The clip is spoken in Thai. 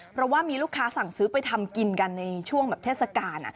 เพราะว่ามีลูกค้าสั่งซื้อไปทำกินกันในช่วงแบบเทศกาล